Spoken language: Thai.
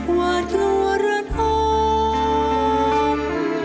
หวาดกลัวร้อนออม